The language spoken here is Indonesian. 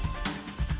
oke baik kita akhiri